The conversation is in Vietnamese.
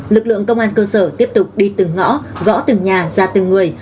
lực lượng công an cơ sở tiếp tục đi từng ngõ gõ từng nhà ra từng người